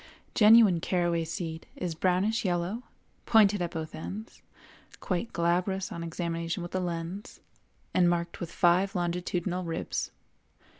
Genuine caraway seed is brownish yellow, pointed at both ends, quite glabrous on examination with a lens, and marked with five longitudinal ribs.